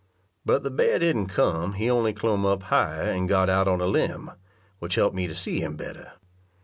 But the bear didn't come he only clomb up higher, and got out on a limb, which helped me to see him better.